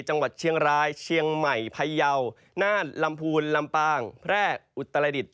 จังหวัดเชียงรายเชียงใหม่พยาวน่านลำพูนลำปางแพร่อุตรดิษฐ